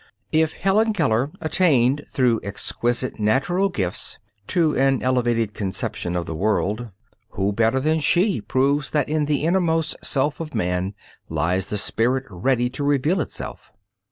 If Helen Keller attained through exquisite natural gifts to an elevated conception of the world, who better than she proves that in the inmost self of man lies the spirit ready to reveal itself?